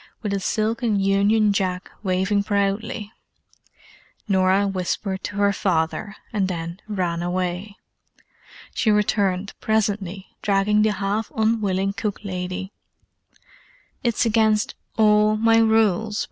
with a silken Union Jack waving proudly. Norah whispered to her father, and then ran away. She returned, presently, dragging the half unwilling cook lady. "It's against all my rules!"